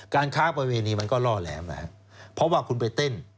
ค้าประเวณีมันก็ล่อแหลมนะครับเพราะว่าคุณไปเต้น